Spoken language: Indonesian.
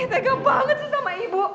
tegak banget sih sama ibu